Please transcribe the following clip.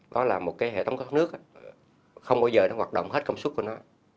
đó là một cái hệ thống thoát nước không bao giờ nó hoạt động hết công suất của nó